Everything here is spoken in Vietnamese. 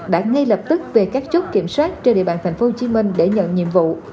đã ngay lập tức về các chốt kiểm soát trên địa bàn thành phố hồ chí minh để nhận nhiệm vụ